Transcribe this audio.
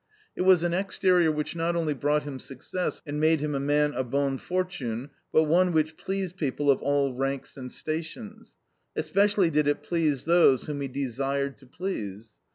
It was an exterior which not only brought him success and made him a man a bonnes fortunes but one which pleased people of all ranks and stations. Especially did it please those whom he desired to please.